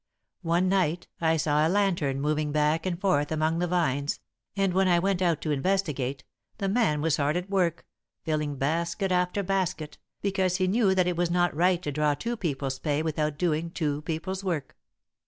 One night I saw a lantern moving back and forth among the vines, and when I went out to investigate, the man was hard at work, filling basket after basket, because he knew that it was not right to draw two people's pay without doing two people's work.